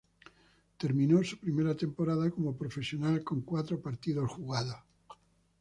Terminó su primera temporada como profesional con cuatro partidos jugados.